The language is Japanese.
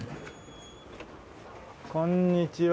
こんにちは。